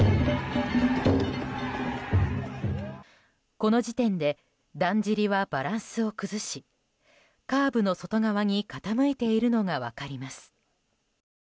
この時点でだんじりはバランスを崩しカーブの外側に傾いているのが分かります。